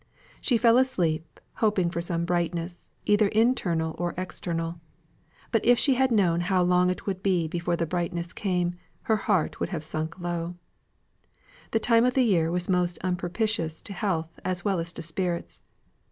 She fell asleep, hoping for some brightness, either internal or external. But if she had known how long it would be before the brightness came, her heart would have sunk low down. The time of the year was most unpropitious to health as well as to spirits.